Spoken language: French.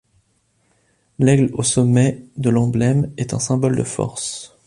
L'aigle au sommet de l'emblème est un symbole de force.